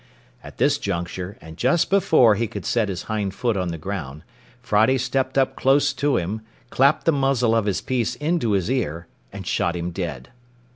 At this juncture, and just before he could set his hind foot on the ground, Friday stepped up close to him, clapped the muzzle of his piece into his ear, and shot him dead.